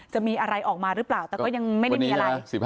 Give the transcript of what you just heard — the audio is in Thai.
จะมีอะไรออกมาหรือเปล่าแต่ก็ยังไม่ได้มีอะไร